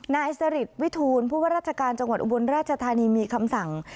นายสริตวิทูลผู้ว่าราชการจังหวัดอุบลราชธานีมีคำสั่ง